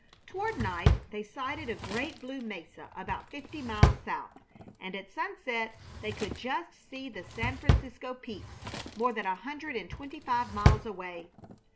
Toward night they sighted a great blue mesa about fifty miles south, and at sunset they could just see the San Francisco peaks more than a hundred and twenty five miles away.